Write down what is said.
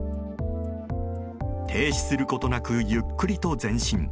停止することなくゆっくりと前進。